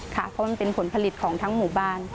ค่ะเพราะมันเป็นผลผลิตของทั้งหมู่บ้าน